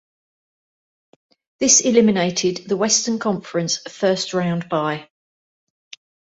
This eliminated the Western Conference first-round bye.